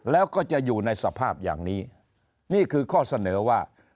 แล้วก็จะอยู่ในสภาพอย่างนี้นี่คือข้อเสนอว่า